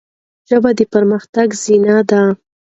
ژبه د پرمختګ زینه ده.